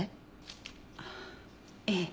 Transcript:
ああええ。